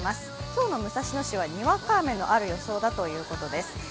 今日の武蔵野市はにわか雨のある予想だということです。